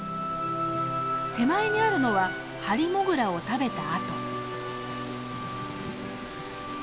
手前にあるのはハリモグラを食べたあと。